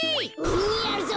やるぞ！